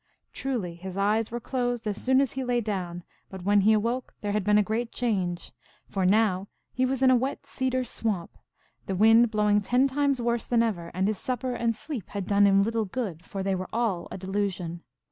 Truly, his eyes were closed as soon as he lay down, but when he awoke there had been a great change. For now he was in a wet cedar swamp, the wind blowing ten times worse than ever, and his supper and sleep had done him little good, for they were all a delusion.